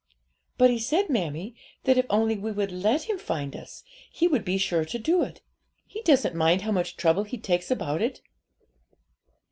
'But he said, mammie, that if only we would let Him find us, He would be sure to do it; He doesn't mind how much trouble He takes about it.'